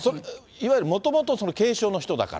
いわゆるもともと軽症の人だから。